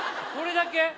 それだけ？